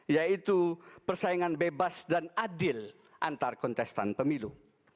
yaitu persaingan bebas dan adil antar kontestan pemilu